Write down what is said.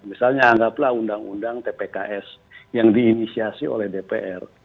misalnya anggaplah undang undang tpks yang diinisiasi oleh dpr